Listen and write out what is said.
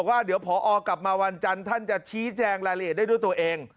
ว่าเดี๋ยวพอกลับมาวันจันทร์ท่านจะชี้แจงรายละเอียดได้ด้วยตัวเอง